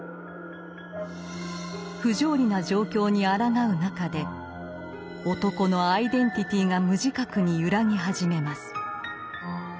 不条理な状況にあらがう中で男のアイデンティティーが無自覚に揺らぎ始めます。